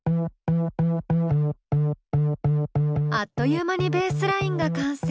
あっという間にベースラインが完成。